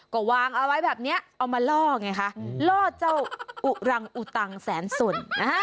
ก็วางเอาไว้แบบนี้เอามาล่อไงคะล่อเจ้าอุรังอุตังแสนสุน